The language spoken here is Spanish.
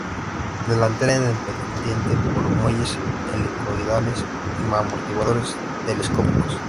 Delantera: Independiente por muelles helicoidales y amortiguadores telescópicos.